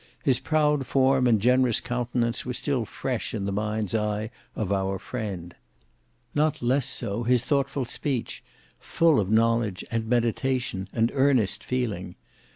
His proud form and generous countenance were still fresh in the mind's eye of our friend. Not less so his thoughtful speech; full of knowledge and meditation and earnest feeling!